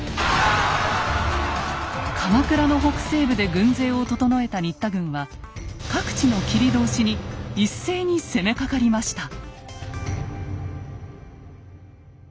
鎌倉の北西部で軍勢を整えた新田軍は各地の切通に一斉に攻めかかりました。